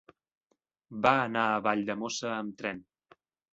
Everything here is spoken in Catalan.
Va anar a Valldemossa amb tren.